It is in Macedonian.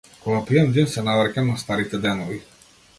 Кога пијам џин се навраќам на старите денови.